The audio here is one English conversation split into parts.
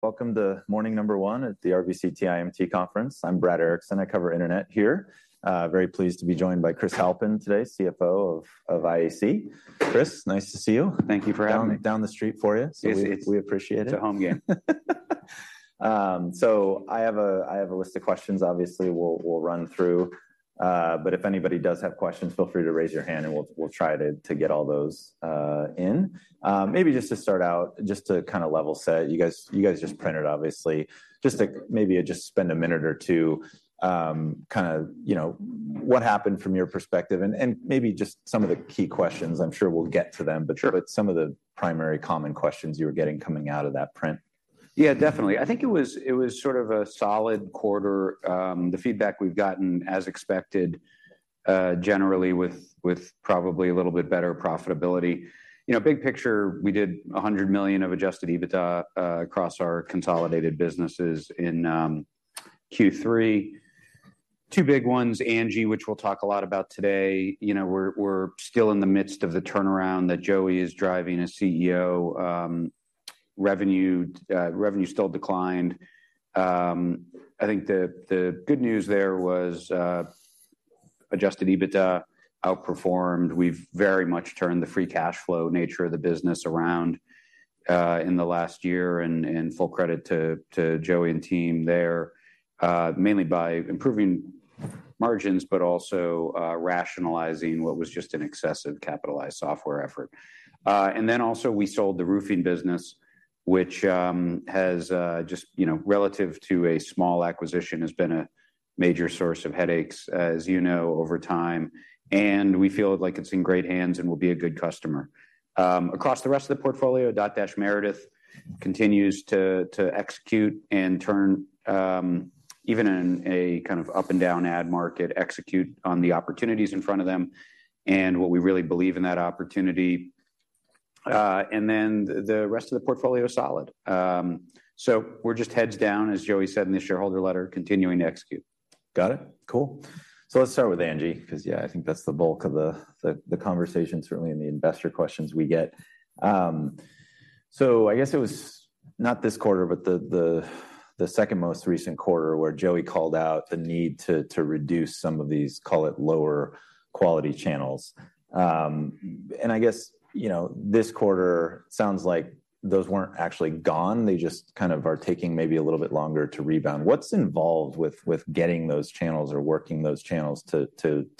Welcome to morning number one at the RBC TMT Conference. I'm Brad Erickson. I cover internet here. Very pleased to be joined by Chris Halpin today, CFO of IAC. Chris, nice to see you. Thank you for having me. Down, down the street for you. Yes We appreciate it. It's a home game. So I have a list of questions, obviously. We'll run through. But if anybody does have questions, feel free to raise your hand, and we'll try to get all those in. Maybe just to start out, just to kind of level set, you guys just printed, obviously. Just to maybe just spend a minute or two, kind of, you know, what happened from your perspective, and maybe just some of the key questions. I'm sure we'll get to them. Sure. But some of the primary common questions you were getting coming out of that print. Yeah, definitely. I think it was sort of a solid quarter. The feedback we've gotten, as expected, generally with probably a little bit better profitability. You know, big picture, we did $100 million of Adjusted EBITDA across our consolidated businesses in Q3. Two big ones, Angi, which we'll talk a lot about today, you know, we're still in the midst of the turnaround that Joey is driving as CEO. Revenue still declined. I think the good news there was, Adjusted EBITDA outperformed. We've very much turned the free cash flow nature of the business around in the last year, and full credit to Joey and team there, mainly by improving margins, but also rationalizing what was just an excessive capitalized software effort. And then also, we sold the roofing business, which has just, you know, relative to a small acquisition, has been a major source of headaches, as you know, over time, and we feel like it's in great hands and will be a good customer. Across the rest of the portfolio, Dotdash Meredith continues to execute and turn even in a kind of up-and-down ad market, execute on the opportunities in front of them, and, well, we really believe in that opportunity. And then the rest of the portfolio is solid. So we're just heads down, as Joey said in the shareholder letter, continuing to execute. Got it. Cool. So let's start with Angi, 'cause, yeah, I think that's the bulk of the conversation, certainly in the investor questions we get. So I guess it was not this quarter, but the second most recent quarter where Joey called out the need to reduce some of these, call it, lower quality channels. And I guess, you know, this quarter sounds like those weren't actually gone, they just kind of are taking maybe a little bit longer to rebound. What's involved with getting those channels or working those channels to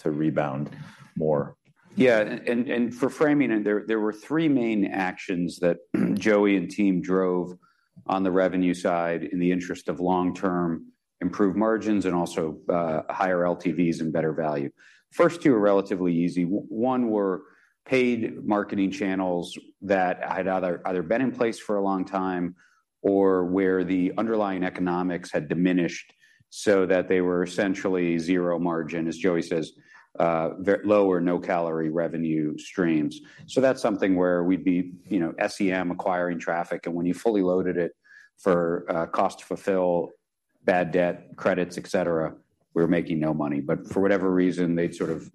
rebound more? Yeah, and for framing it, there were three main actions that Joey and team drove on the revenue side in the interest of long-term improved margins and also higher LTVs and better value. First two are relatively easy. One, were paid marketing channels that had either been in place for a long time or where the underlying economics had diminished so that they were essentially zero margin. As Joey says, "very low or no-calorie revenue streams." So that's something where we'd be, you know, SEM acquiring traffic, and when you fully loaded it for cost to fulfill bad debt, credits, et cetera, we're making no money. But for whatever reason, they'd sort of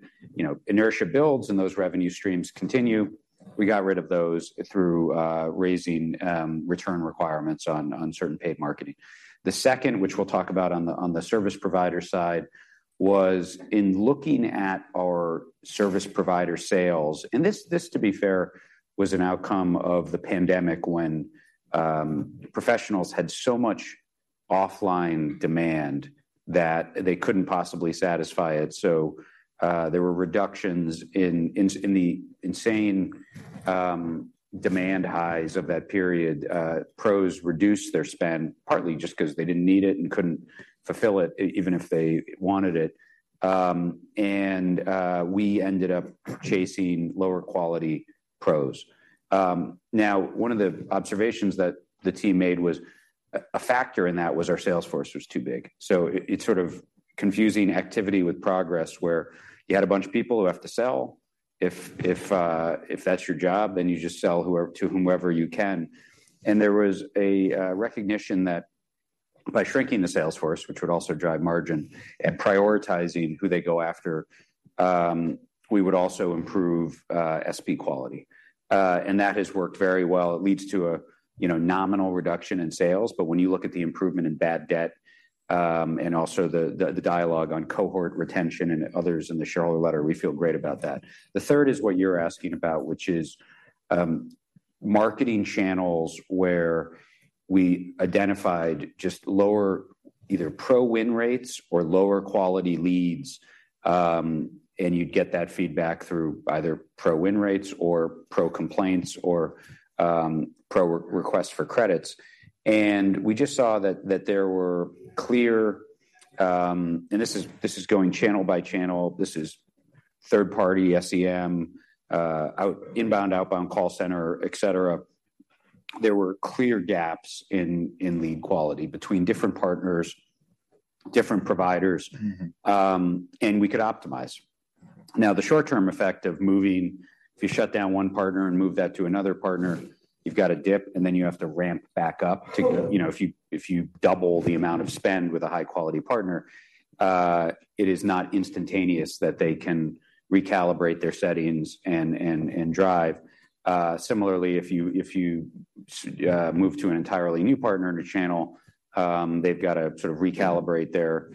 inertia builds, and those revenue streams continue. We got rid of those through raising return requirements on certain paid marketing. The second, which we'll talk about on the service provider side, was in looking at our service provider sales, and this, to be fair, was an outcome of the pandemic when professionals had so much offline demand that they couldn't possibly satisfy it. So, there were reductions in the insane demand highs of that period. Pros reduced their spend, partly just because they didn't need it and couldn't fulfill it even if they wanted it, and we ended up chasing lower quality pros. Now, one of the observations that the team made was, a factor in that was our sales force was too big. So it's sort of confusing activity with progress, where you had a bunch of people who have to sell. If that's your job, then you just sell to whomever you can. And there was a recognition that by shrinking the sales force, which would also drive margin, and prioritizing who they go after, we would also improve SP quality. And that has worked very well. It leads to a, you know, nominal reduction in sales, but when you look at the improvement in bad debt, and also the dialogue on cohort retention and others in the shareholder letter, we feel great about that. The third is what you're asking about, which is marketing channels where we identified just lower either pro-win rates or lower quality leads, and you'd get that feedback through either pro-win rates or pro complaints or pro requests for credits. And we just saw that there were clear. This is, this is going channel by channel, this is third party, SEM, outbound, inbound, outbound call center, etc. There were clear gaps in lead quality between different partners, different providers and we could optimize. Now, the short-term effect of moving, if you shut down one partner and move that to another partner, you've got a dip, and then you have to ramp back up to, you know, if you double the amount of spend with a high-quality partner, it is not instantaneous that they can recalibrate their settings and drive. Similarly, if you move to an entirely new partner in a channel, they've got to sort of recalibrate their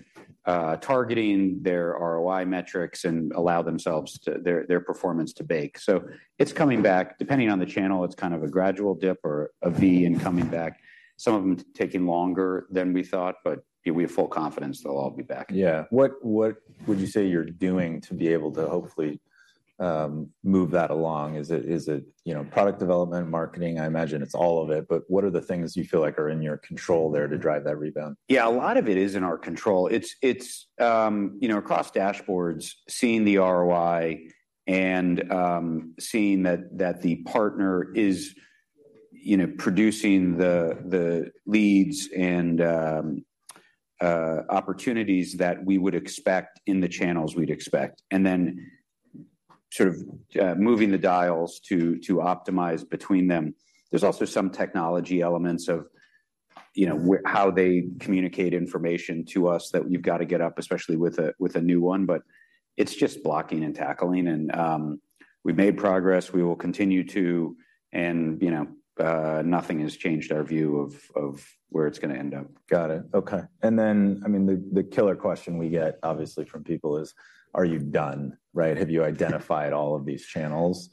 targeting, their ROI metrics, and allow their performance to bake. So it's coming back. Depending on the channel, it's kind of a gradual dip or a V and coming back, some of them taking longer than we thought, but we have full confidence they'll all be back. Yeah. What, what would you say you're doing to be able to hopefully, move that along? Is it, is it, you know, product development, marketing? I imagine it's all of it, but what are the things you feel like are in your control there to drive that rebound? Yeah, a lot of it is in our control. It's, it's, you know, across dashboards, seeing the ROI and, seeing that, that the partner is, you know, producing the, the leads and, opportunities that we would expect in the channels we'd expect, and then sort of, moving the dials to, to optimize between them. There's also some technology elements of, you know, how they communicate information to us that you've got to get up, especially with a, with a new one, but it's just blocking and tackling, and, we've made progress. We will continue to, and, you know, nothing has changed our view of, of where it's gonna end up. Got it. Okay. And then, I mean, the killer question we get, obviously, from people is, are you done, right? Have you identified all of these channels?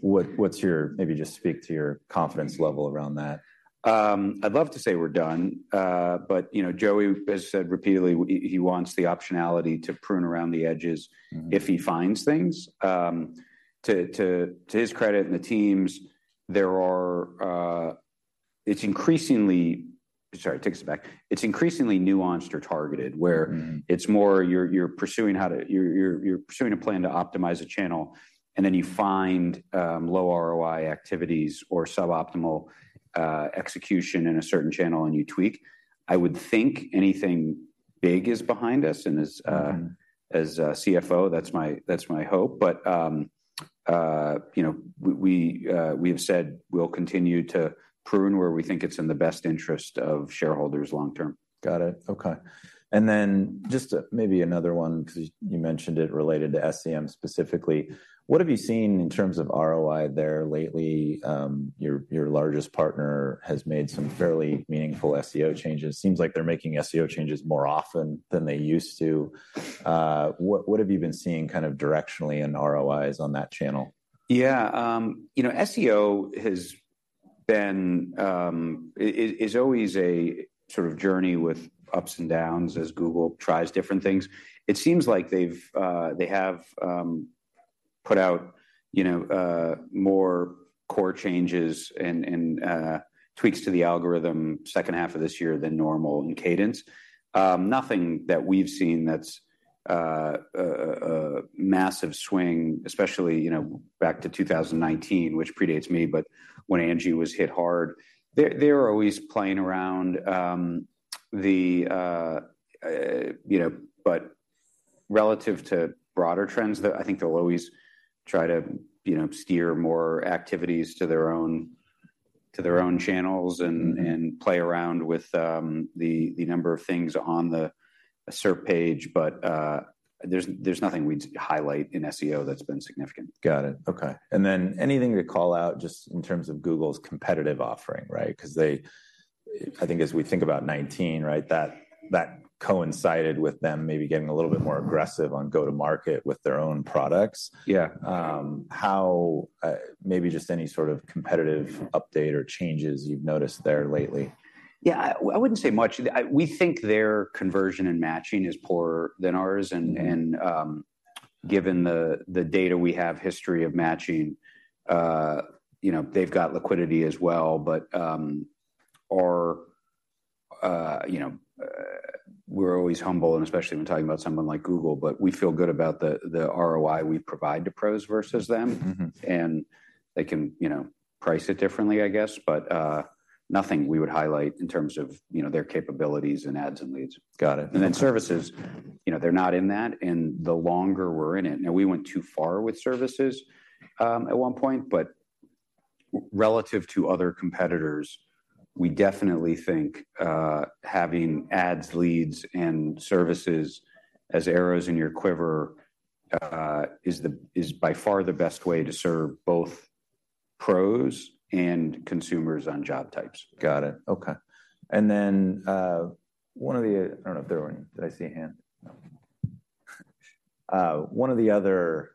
What's your, maybe just speak to your confidence level around that. I'd love to say we're done, but, you know, Joey has said repeatedly he wants the optionality to prune around the edges if he finds things. To his credit and the teams, sorry, take this back. It's increasingly nuanced or targeted, where it's more you're pursuing a plan to optimize a channel, and then you find low ROI activities or suboptimal execution in a certain channel, and you tweak. I would think anything big is behind us, and as CFO, that's my hope. But, you know, we have said we'll continue to prune where we think it's in the best interest of shareholders long term. Got it. Okay. And then just maybe another one, 'cause you mentioned it related to SEM specifically. What have you seen in terms of ROI there lately? Your largest partner has made some fairly meaningful SEO changes. Seems like they're making SEO changes more often than they used to. What have you been seeing kind of directionally in ROIs on that channel? Yeah, you know, SEO has been, it is always a sort of journey with ups and downs as Google tries different things. It seems like they have put out, you know, more core changes and tweaks to the algorithm second half of this year than normal in cadence. Nothing that we've seen that's a massive swing, especially, you know, back to 2019, which predates me, but when Angi was hit hard. They are always playing around, you know, but relative to broader trends, though, I think they'll always try to, you know, steer more activities to their own channels and play around with the number of things on the SERP page, but there's nothing we'd highlight in SEO that's been significant. Got it. Okay. And then anything to call out just in terms of Google's competitive offering, right? 'Cause they, I think as we think about 2019, right, that, that coincided with them maybe getting a little bit more aggressive on go-to-market with their own products. Yeah. How, maybe just any sort of competitive update or changes you've noticed there lately? Yeah, I wouldn't say much. We think their conversion and matching is poorer than ours and given the data we have history of matching, you know, they've got liquidity as well. But, you know, we're always humble, and especially when talking about someone like Google, but we feel good about the ROI we provide to pros versus them. And they can, you know, price it differently, I guess, but nothing we would highlight in terms of, you know, their capabilities in ads and leads. Got it. Then services, you know, they're not in that, and the longer we're in it, now we went too far with services at one point, but relative to other competitors, we definitely think having ads, leads, and services as arrows in your quiver is by far the best way to serve both pros and consumers on job types. Got it. Okay. And then, I don't know if there were any. Did I see a hand? No. One of the other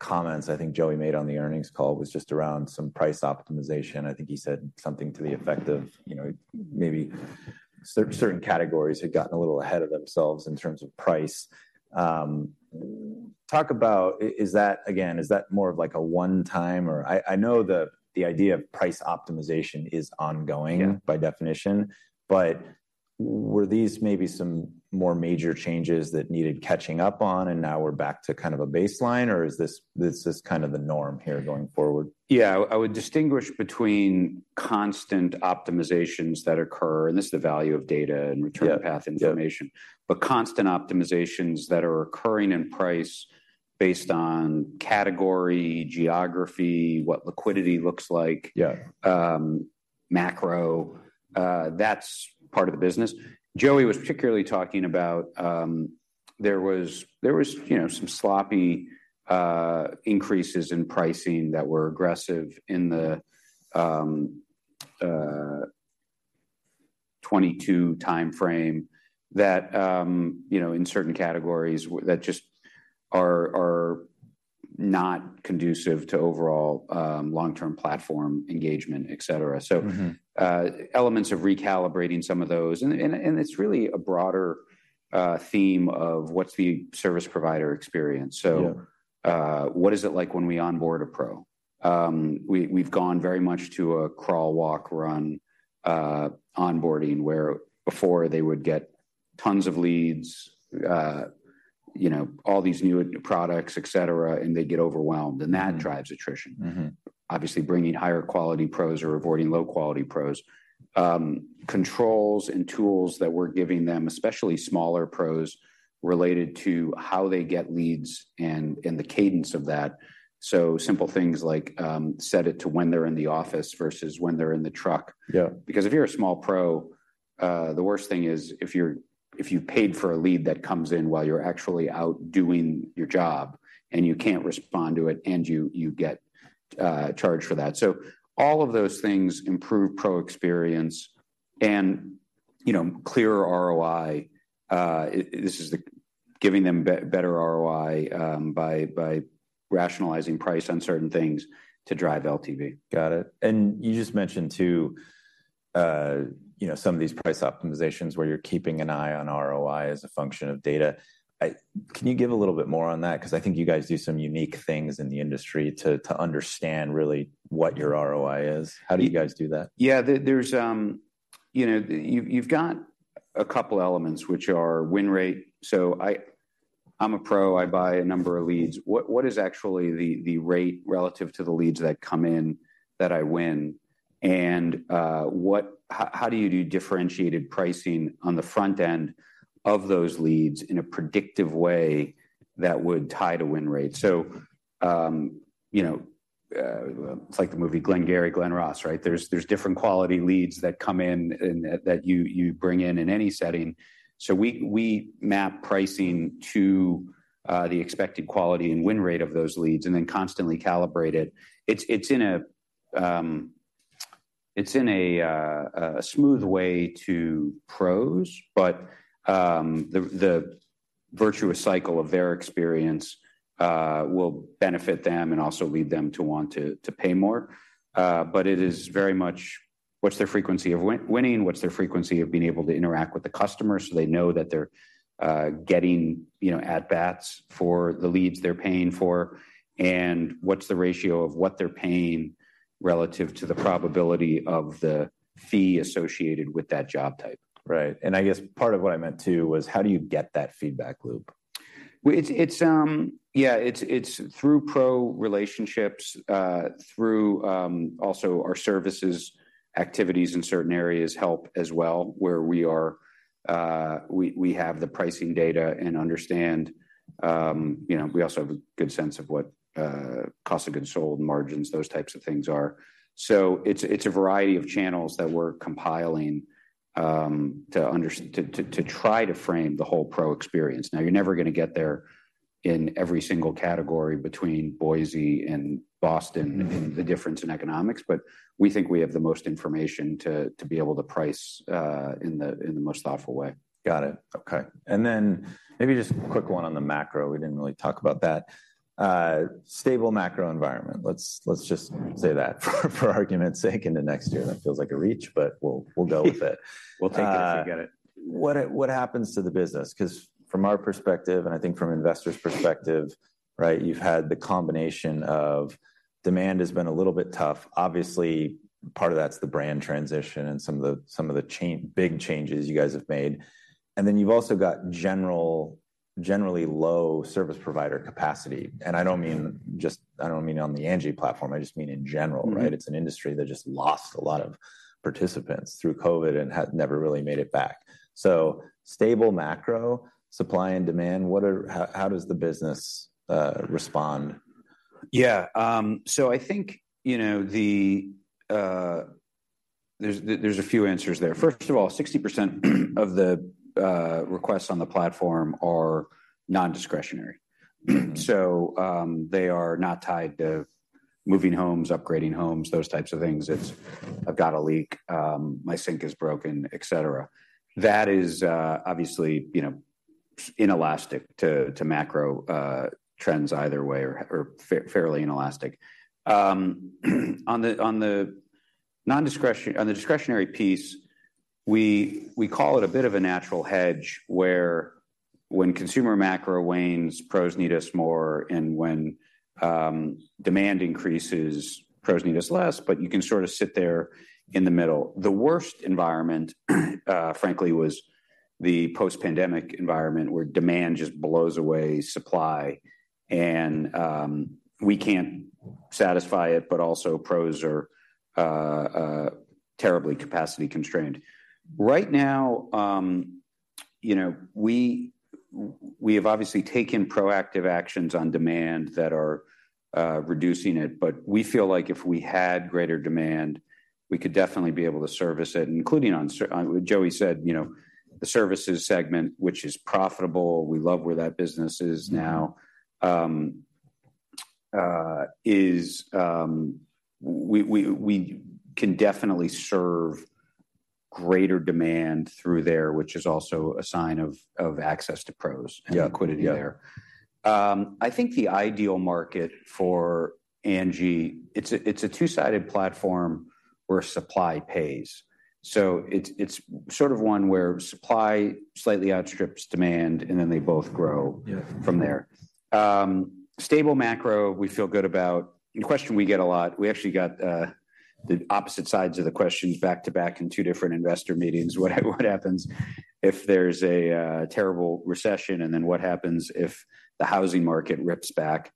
comments I think Joey made on the earnings call was just around some price optimization. I think he said something to the effect of, you know, maybe certain categories had gotten a little ahead of themselves in terms of price. Talk about, is that, again, is that more of like a one-time or I know the idea of price optimization is ongoing by definition, but were these maybe some more major changes that needed catching up on, and now we're back to kind of a baseline, or is this, this is kind of the norm here going forward? Yeah, I would distinguish between constant optimizations that occur, and this is the value of data and return path information but constant optimizations that are occurring in price, based on category, geography, what liquidity looks like. Yeah. Macro, that's part of the business. Joey was particularly talking about, there was, you know, some sloppy increases in pricing that were aggressive in the 2022 timeframe that, you know, in certain categories that just are not conducive to overall long-term platform engagement, etc. So, elements of recalibrating some of those, and it's really a broader theme of what's the service provider experience. Yeah. So, what is it like when we onboard a pro? We've gone very much to a crawl, walk, run onboarding, where before they would get tons of leads, you know, all these new products, etc, and they'd get overwhelmed, and that drives attrition. Obviously, bringing higher quality pros or avoiding low-quality pros. Controls and tools that we're giving them, especially smaller pros, related to how they get leads and the cadence of that. So simple things like set it to when they're in the office versus when they're in the truck. Yeah. Because if you're a small pro, the worst thing is if you've paid for a lead that comes in while you're actually out doing your job, and you can't respond to it, and you get charged for that. So all of those things improve pro experience and, you know, clearer ROI. This is giving them better ROI by rationalizing price on certain things to drive LTV. Got it. And you just mentioned, too, you know, some of these price optimizations where you're keeping an eye on ROI as a function of data. Can you give a little bit more on that? Because I think you guys do some unique things in the industry to understand really what your ROI is. How do you guys do that? Yeah, there's, you know, you've got a couple elements which are win rate. So I'm a pro, I buy a number of leads. What is actually the rate relative to the leads that come in that I win? And, what, how do you do differentiated pricing on the front end of those leads in a predictive way that would tie to win rate? So, you know, it's like the movie Glengarry Glen Ross, right? There's different quality leads that come in and that you bring in in any setting. So we map pricing to the expected quality and win rate of those leads and then constantly calibrate it. It's in a smooth way to pros, but the virtuous cycle of their experience will benefit them and also lead them to want to pay more. But it is very much what's their frequency of winning, what's their frequency of being able to interact with the customer, so they know that they're getting, you know, at bats for the leads they're paying for, and what's the ratio of what they're paying relative to the probability of the fee associated with that job type. Right. And I guess part of what I meant, too, was how do you get that feedback loop? Well, it's through pro relationships, through also our services, activities in certain areas help as well, where we are, we have the pricing data and understand, you know, we also have a good sense of what, cost of goods sold, margins, those types of things are. So it's a variety of channels that we're compiling to try to frame the whole pro experience. Now, you're never gonna get there in every single category between Boise and Boston and the difference in economics, but we think we have the most information to be able to price in the most thoughtful way. Got it. Okay. And then maybe just a quick one on the macro. We didn't really talk about that. Stable macro environment. Let's, let's just say that for argument's sake, in the next year. That feels like a reach, but we'll, we'll go with it. We'll take it if you get it. What happens to the business? Because from our perspective, and I think from investors' perspective, right, you've had the combination of demand has been a little bit tough. Obviously, part of that's the brand transition and some of the big changes you guys have made. And then you've also got generally low service provider capacity. And I don't mean just on the Angi platform, I just mean in general, right? It's an industry that just lost a lot of participants through COVID and have never really made it back. So stable macro, supply and demand, how does the business respond? Yeah. So I think, you know, there's a few answers there. First of all, 60% of the requests on the platform are non-discretionary. So, they are not tied to moving homes, upgrading homes, those types of things. It's, "I've got a leak, my sink is broken," etc. That is, obviously, you know, inelastic to, to macro, trends either way or, or fairly inelastic. On the discretionary piece, we call it a bit of a natural hedge, where when consumer macro wanes, pros need us more, and when, demand increases, pros need us less, but you can sort of sit there in the middle. The worst environment, frankly, was the post-pandemic environment, where demand just blows away supply, and, we can't satisfy it, but also pros are terribly capacity constrained. Right now, you know, we have obviously taken proactive actions on demand that are reducing it, but we feel like if we had greater demand, we could definitely be able to service it, including on what Joey said, you know, the services segment, which is profitable. We love where that business is now. We can definitely serve greater demand through there, which is also a sign of access to pros and liquidity there. I think the ideal market for Angi, it's a, it's a two-sided platform where supply pays. So it's, it's sort of one where supply slightly outstrips demand, and then they both grow from there. Stable macro, we feel good about. The question we get a lot, we actually got the opposite sides of the questions back to back in two different investor meetings. What happens if there's a terrible recession, and then what happens if the housing market rips back?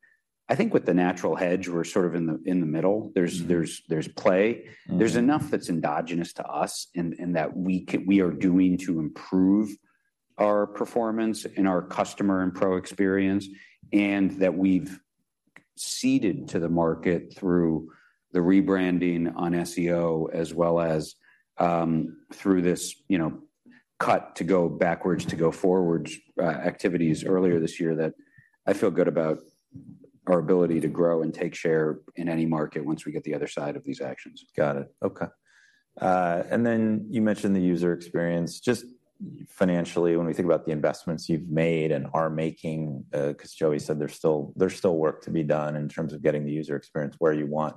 I think with the natural hedge, we're sort of in the middle. There's play. There's enough that's endogenous to us, and that we are doing to improve our performance and our customer and pro experience, and that we've seeded to the market through the rebranding on SEO as well as through this, you know, cut to go backwards to go forwards activities earlier this year, that I feel good about our ability to grow and take share in any market once we get the other side of these actions. Got it. Okay. And then you mentioned the user experience. Just financially, when we think about the investments you've made and are making, because Joey said there's still work to be done in terms of getting the user experience where you want.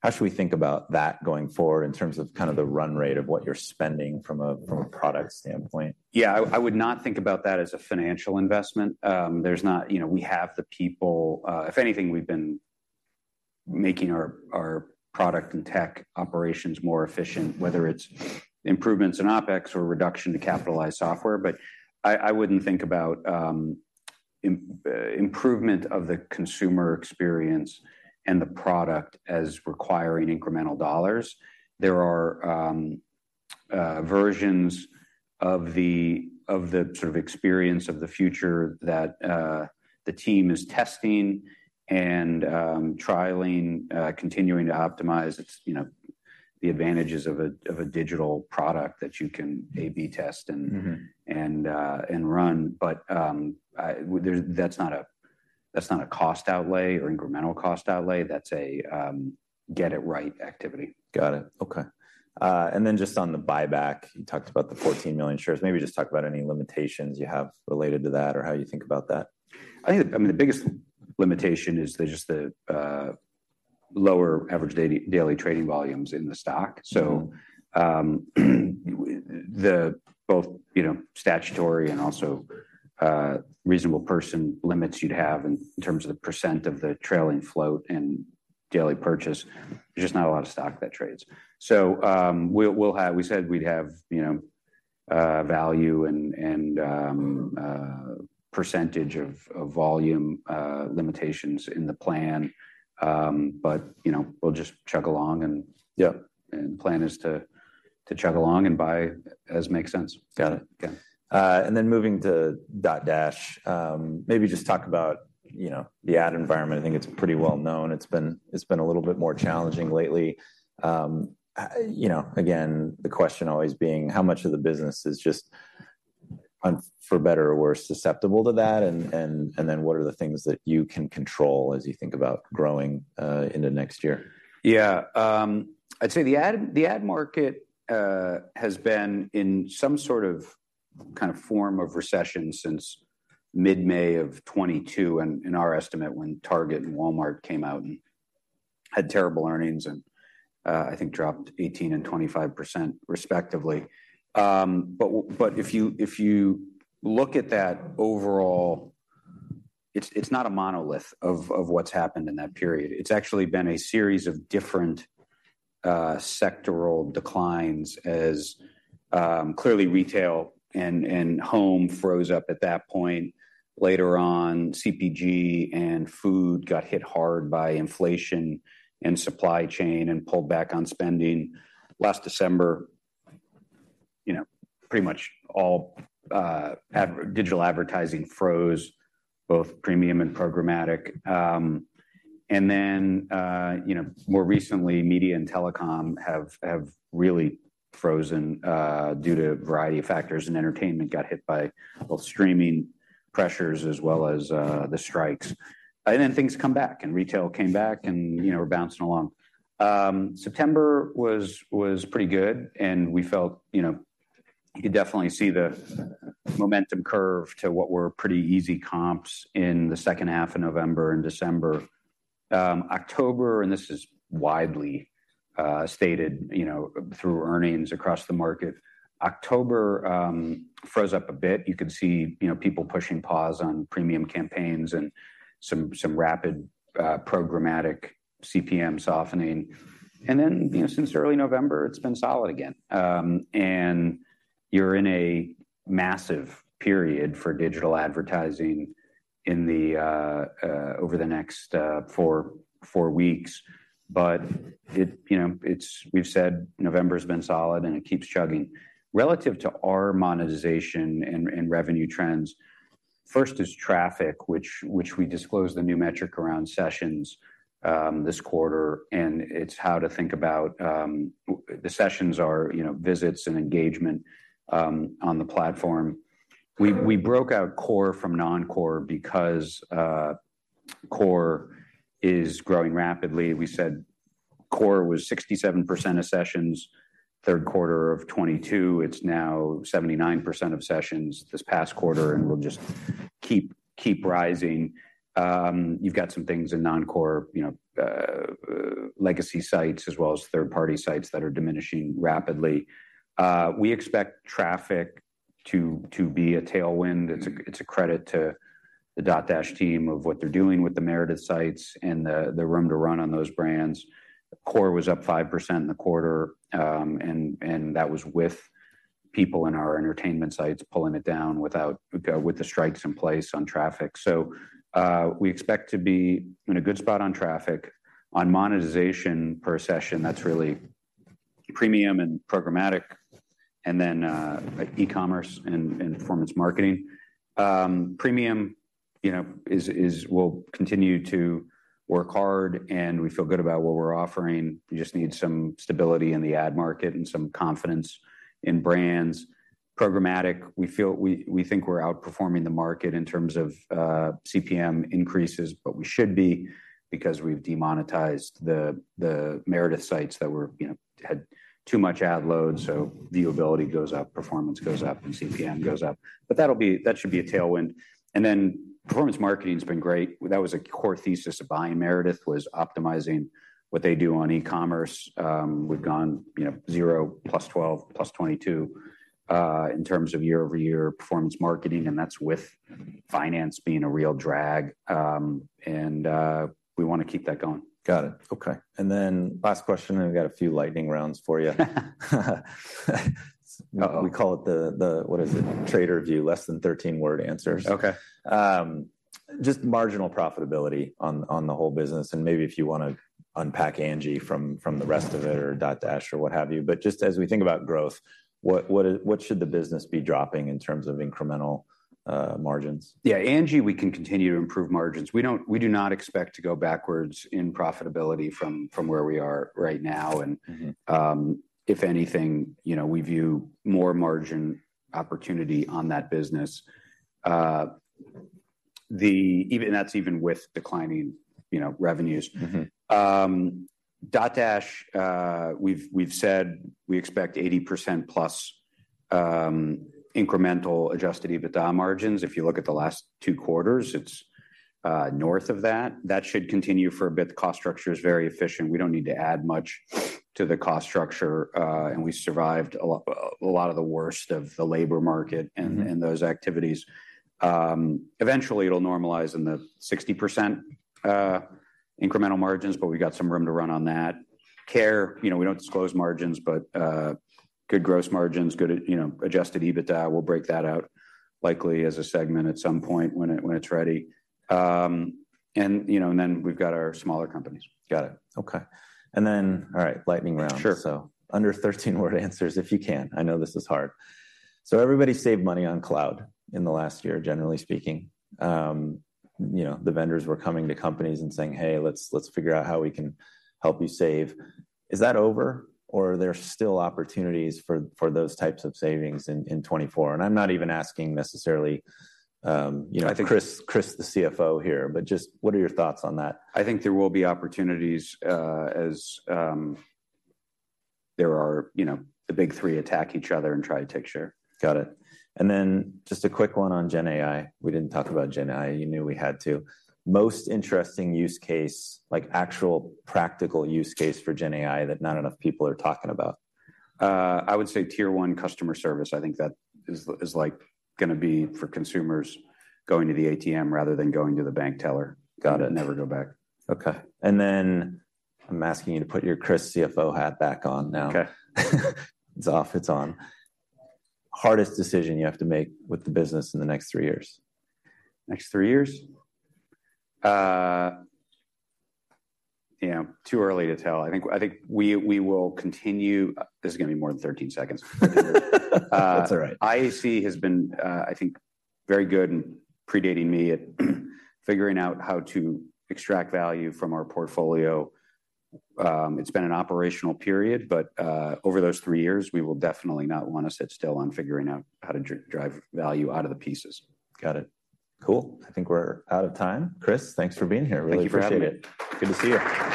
How should we think about that going forward in terms of kind of the run rate of what you're spending from a product standpoint? Yeah, I would not think about that as a financial investment. There's not, you know, we have the people, if anything, we've been making our product and tech operations more efficient, whether it's improvements in OpEx or reduction to capitalized software. But I wouldn't think about improvement of the consumer experience and the product as requiring incremental dollars. There are versions of the sort of experience of the future that the team is testing and trialing, continuing to optimize. It's, you know, the advantages of a digital product that you can A/B test and run, but there, that's not a cost outlay or incremental cost outlay. That's a get it right activity. Got it. Okay. And then just on the buyback, you talked about the 14 million shares. Maybe just talk about any limitations you have related to that or how you think about that. I think, I mean, the biggest limitation is there's just the lower average daily trading volumes in the stock. So, both, you know, statutory and also reasonable person limits you'd have in terms of the % of the trailing float and daily purchase, there's just not a lot of stock that trades. So, we'll have. We said we'd have, you know, value and percentage of volume limitations in the plan. But, you know, we'll just chug along and plan is to chug along and buy as makes sense. Got it. Yeah. And then moving to Dotdash, maybe just talk about, you know, the ad environment. I think it's pretty well known. It's been a little bit more challenging lately. You know, again, the question always being, how much of the business is just, for better or worse, susceptible to that? And then what are the things that you can control as you think about growing into next year? Yeah, I'd say the ad market has been in some sort of kind of form of recession since mid-May 2022, and in our estimate, when Target and Walmart came out and had terrible earnings and I think dropped 18% and 25% respectively. But if you look at that overall, it's not a monolith of what's happened in that period. It's actually been a series of different sectoral declines, as clearly, retail and home froze up at that point. Later on, CPG and food got hit hard by inflation and supply chain and pulled back on spending. Last December, you know, pretty much all ad digital advertising froze, both premium and programmatic. And then, you know, more recently, media and telecom have really frozen due to a variety of factors, and entertainment got hit by both streaming pressures as well as the strikes. And then things come back, and retail came back, and, you know, we're bouncing along. September was pretty good, and we felt, you know, you definitely see the momentum curve to what were pretty easy comps in the second half of November and December. October, and this is widely stated, you know, through earnings across the market, October froze up a bit. You could see, you know, people pushing pause on premium campaigns and some rapid programmatic CPM softening. And then, you know, since early November, it's been solid again. And you're in a massive period for digital advertising in the over the next four weeks. But it, you know, it's. We've said November's been solid, and it keeps chugging. Relative to our monetization and revenue trends, first is traffic, which we disclosed the new metric around sessions this quarter, and it's how to think about the sessions are, you know, visits and engagement on the platform. We broke out core from non-core because core is growing rapidly. We said core was 67% of sessions, third quarter of 2022. It's now 79% of sessions this past quarter, and will just keep rising. You've got some things in non-core, you know, legacy sites, as well as third-party sites that are diminishing rapidly. We expect traffic to be a tailwind. It's a credit to the Dotdash team of what they're doing with the Meredith sites and the room to run on those brands. Core was up 5% in the quarter, and that was with people in our entertainment sites pulling it down with the strikes in place on traffic. So, we expect to be in a good spot on traffic. On monetization per session, that's really premium and programmatic, and then e-commerce and performance marketing. Premium, you know, we'll continue to work hard, and we feel good about what we're offering. We just need some stability in the ad market and some confidence in brands. Programmatic, we feel we think we're outperforming the market in terms of CPM increases, but we should be, because we've demonetized the Meredith sites that were, you know, had too much ad load, so viewability goes up, performance goes up, and CPM goes up. But that'll be, that should be a tailwind. And then, performance marketing's been great. That was a core thesis of buying Meredith, was optimizing what they do on e-commerce. We've gone, you know, 0 +12, +22 in terms of year-over-year performance marketing, and that's with finance being a real drag. And we wanna keep that going. Got it. Okay. And then last question, and we've got a few lightning rounds for you. We call it the. What is it? Trader view, less than 13-word answers. Okay. Just marginal profitability on the whole business, and maybe if you wanna unpack Angi from the rest of it, or Dotdash, or what have you. But just as we think about growth, what should the business be dropping in terms of incremental margins? Yeah, Angi, we can continue to improve margins. We do not expect to go backwards in profitability from where we are right now. If anything, you know, we view more margin opportunity on that business. Even, that's even with declining, you know, revenues. Dotdash, we've said we expect 80%+ incremental Adjusted EBITDA margins. If you look at the last two quarters, it's north of that. That should continue for a bit. The cost structure is very efficient. We don't need to add much to the cost structure, and we survived a lot of the worst of the labor market and those activities. Eventually, it'll normalize in the 60% incremental margins, but we've got some room to run on that. Care, you know, we don't disclose margins, but good gross margins, good, you know, Adjusted EBITDA. We'll break that out likely as a segment at some point when it's ready. And, you know, then we've got our smaller companies. Got it. Okay. And then, all right, lightning round. Sure. So under 13-word answers, if you can. I know this is hard. So everybody saved money on cloud in the last year, generally speaking. You know, the vendors were coming to companies and saying: Hey, let's figure out how we can help you save. Is that over, or are there still opportunities for those types of savings in 2024? And I'm not even asking necessarily, you know. Chris, Chris, the CFO here, but just what are your thoughts on that? I think there will be opportunities, as there are. You know, the big three attack each other and try to take share. Got it. And then just a quick one on GenAI. We didn't talk about GenAI. You knew we had to. Most interesting use case, like actual practical use case for GenAI, that not enough people are talking about. I would say Tier 1 customer service. I think that is like gonna be for consumers, going to the ATM rather than going to the bank teller. Got it. And never go back. Okay. Then I'm asking you to put your Chris CFO hat back on now. Okay. It's off, it's on. Hardest decision you have to make with the business in the next three years? Next three years? Yeah, too early to tell. I think we will continue. This is gonna be more than 13 seconds. That's all right. IAC has been, I think, very good in predating me at figuring out how to extract value from our portfolio. It's been an operational period, but, over those three years, we will definitely not want to sit still on figuring out how to drive value out of the pieces. Got it. Cool. I think we're out of time. Chris, thanks for being here. Thank you for having me. Really appreciate it. Good to see you.